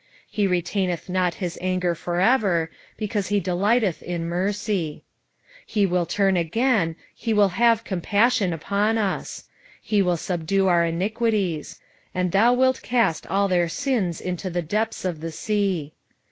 he retaineth not his anger for ever, because he delighteth in mercy. 7:19 He will turn again, he will have compassion upon us; he will subdue our iniquities; and thou wilt cast all their sins into the depths of the sea.